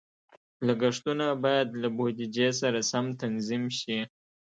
لګښتونه باید له بودیجې سره سم تنظیم شي.